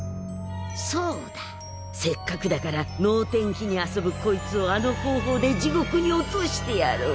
そうだせっかくだから能天気に遊ぶこいつをあの方法で地獄に落としてやろう。